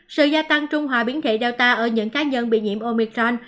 sự gia tăng trung hòa biến thể delta ở những cá nhân bị nhiễm omicron